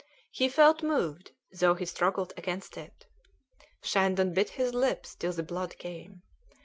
He felt moved, though he struggled against it. Shandon bit his lips till the blood came.